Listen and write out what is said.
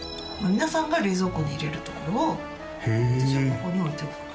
皆さんが冷蔵庫に入れるところを私はここに置いておく感じ。